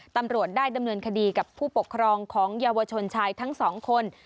ตำรวจได้ดำเนินคดีกับผู้ปกครองของเยาวชนชายทั้งสองคน